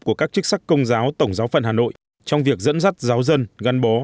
của các chức sắc công giáo tổng giáo phận hà nội trong việc dẫn dắt giáo dân gắn bó